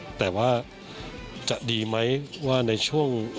เนื่องจากว่าง่ายต่อระบบการจัดการโดยคาดว่าจะแข่งขันได้วันละ๓๔คู่ด้วยที่บางเกาะอารีน่าอย่างไรก็ตามครับ